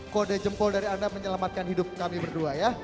kode jempol dari anda menyelamatkan hidup kami berdua ya